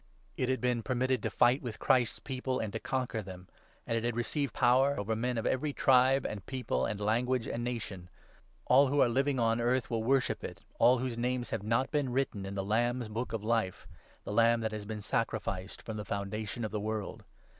It had been permitted to fight with Christ's People and to 7 conquer them, and it had received power over men of every tribe, and people, and language, and nation. All who are 8 living on earth will worship it — all whose names have not been written in the Lamb's Book of Life, the Lamb that has been sacrificed from the foundation of the world.